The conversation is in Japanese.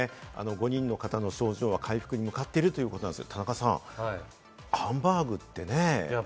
５人の方の症状は回復に向かっているということですが田中さん、ハンバーグってね、どうですか？